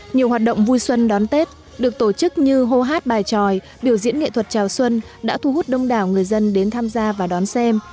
nhiều hoạt động vui xuân đón tết được tổ chức như hô hát bài tròi biểu diễn nghệ thuật chào xuân đã thu hút đông đảo người dân đến tham gia và đón xem